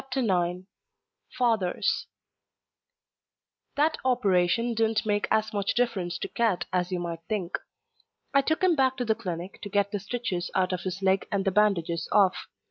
] FATHERS That operation didn't make as much difference to Cat as you might think. I took him back to the clinic to get the stitches out of his leg and the bandages off.